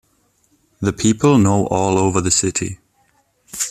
The people know all over the city.